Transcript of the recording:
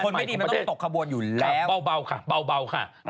คนไม่ดีมันต้องตกขบวนอยู่แล้วบ่าวค่ะ